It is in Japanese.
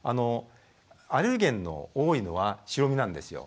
アレルゲンの多いのは白身なんですよ。